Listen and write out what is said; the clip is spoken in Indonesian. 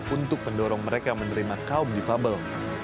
untuk mendorong mereka menerima kaum difabel